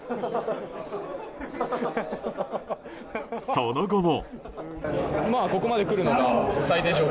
その後も。